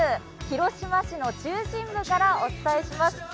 広島市の中心部からお伝えします。